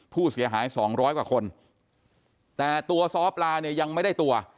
ผู้เสียหาย๒๐๐กว่าคนแต่ตัวสปลายังไม่ได้ตัว